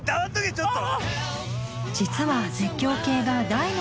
ちょっと！